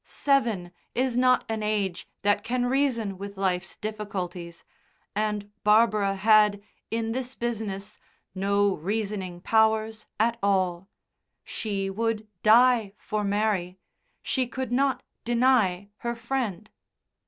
Seven is not an age that can reason with life's difficulties, and Barbara had, in this business, no reasoning powers at all. She would die for Mary; she could not deny her Friend.